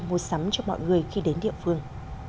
mua sắm cho mọi người khi đến địa phương